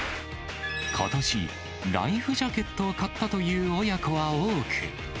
ことし、ライフジャケットを買ったという親子は多く。